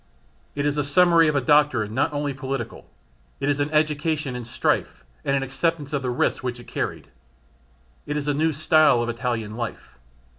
It is a summary of a doctrine not only political: it is an education in strife and an acceptance of the risks which it carried: it is a new style of Italian life.